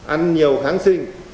ăn nhiều kháng sinh